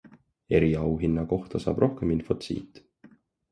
Eriauhinna kohta saab rohkem infot siit.